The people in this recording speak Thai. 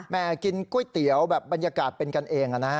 กินก๋วยเตี๋ยวแบบบรรยากาศเป็นกันเองนะ